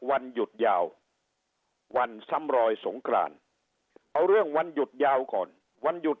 วันหยุดยาววันซ้ำรอยสงกรานเอาเรื่องวันหยุดยาวก่อนวันหยุด